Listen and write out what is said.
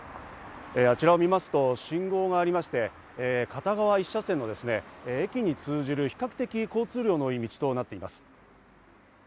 あちらを見ますと信号がありまして、片側１車線の駅に通じる比較的交通量の多い道となっています。